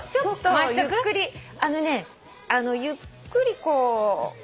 あのねゆっくりこう肩を。